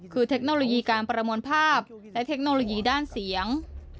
คือเทคโนโลยีการประมวลภาพและเทคโนโลยีด้านเสียง